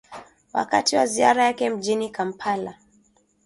wakati wa ziara yake mjini kampala